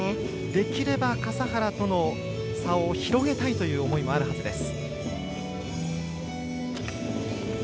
できれば笠原との差を広げたいという思いもあるはずです。